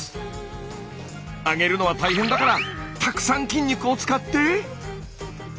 「上げるのはたいへんだからたくさん筋肉を使って」。